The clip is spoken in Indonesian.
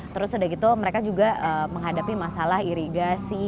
terus sudah gitu mereka juga menghadapi masalah irigasi